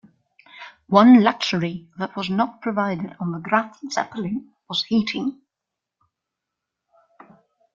One luxury that was not provided on the "Graf Zeppelin" was heating.